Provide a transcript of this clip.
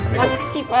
terima kasih pak